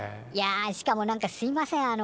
いやしかも何かすいません